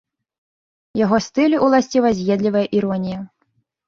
Яго стылю ўласціва з'едлівая іронія.